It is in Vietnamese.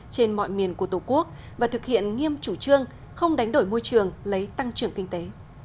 trên mọi miền của tổ quốc và thực hiện nghiêm chủ trương không đánh đổi môi trường lấy tăng trưởng kinh tế